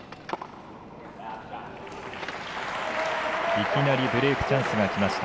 いきなりブレークチャンスがきました。